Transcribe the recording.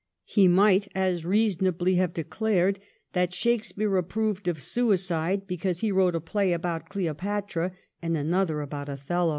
He might as reasonably have declared that Shakespeare approved of suicide because he wrote a play about ' Cleopatra ' and an other about ' Othello.'